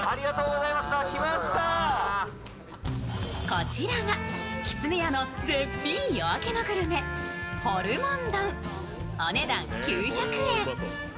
こちらがきつねやの絶品夜明けのグルメ、ホルモン丼、お値段９００円。